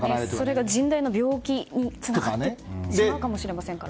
それが甚大な病気につながってしまうかもですしね。